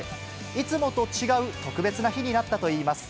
いつもと違う特別な日になったといいます。